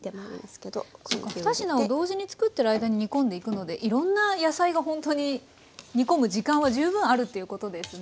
２品を同時に作ってる間に煮込んでいくのでいろんな野菜がほんとに煮込む時間は十分あるっていうことですね。